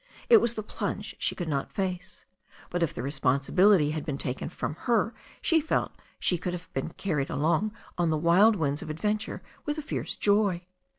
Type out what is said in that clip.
It was the plunge she could not face. But if the responsibility had been taken from her she felt she could have been carried along on the wild winds of ad venture with a fierce joy.